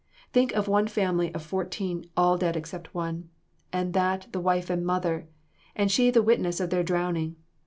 Think of one family of fourteen all dead except one, and that the wife and mother, and she the witness of their drowning.